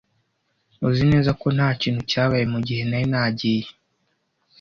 Uzi neza ko ntakintu cyabaye mugihe nari nagiye?